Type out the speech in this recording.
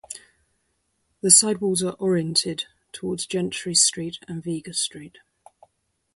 The side walls are oriented towards Gentry Street and Vega Street.